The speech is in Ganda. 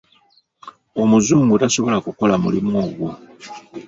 Omuzungu tasobola kukola mulimu ogwo.